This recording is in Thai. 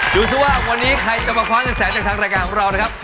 ดูซิว่าวันนี้ใครจะมาคว้าเงินแสนจากทางรายการของเรานะครับ